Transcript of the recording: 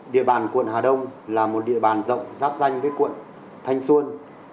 địa bàn quận hà đông là một địa bàn rộng giáp danh với quận thanh xuân